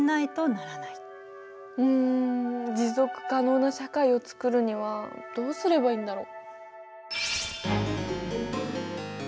うん「持続可能な社会」を作るにはどうすればいいんだろう？